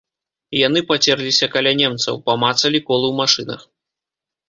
Яны пацерліся каля немцаў, памацалі колы ў машынах.